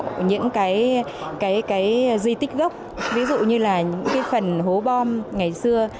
tôn tạo những cái di tích gốc ví dụ như là cái phần hố bom ngày xưa